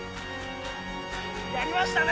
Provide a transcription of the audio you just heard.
やりましたね！